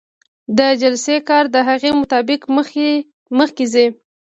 د جلسې کار د هغې مطابق مخکې ځي.